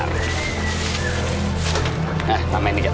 nah tambahin dikit